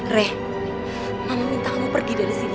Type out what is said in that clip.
rey mama minta kamu pergi dari sini